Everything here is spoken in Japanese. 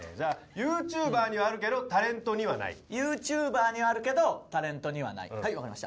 「ＹｏｕＴｕｂｅｒにはあるけどタレントにはない」「ＹｏｕＴｕｂｅｒにはあるけどタレントにはない」はい分かりました